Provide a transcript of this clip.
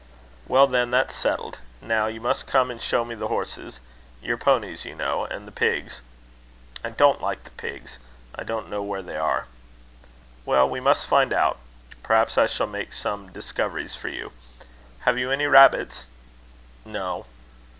"Well, then, that's settled. Now, you must come and show me the horses your ponies, you know and the pigs " "I don't like the pigs I don't know where they are." "Well, we must find out. Perhaps I shall make some discoveries for you. Have you any rabbits?" "No."